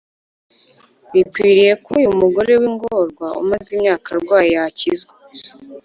bikwiriye ko uyu mugore w ingorwa umaze imyaka arwaye yakizwa